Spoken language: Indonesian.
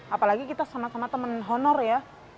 apalagi kita sama sama teman honor ya